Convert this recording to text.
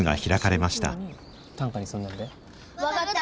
分かった！